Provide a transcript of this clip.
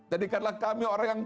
jadikanlah kami orang yang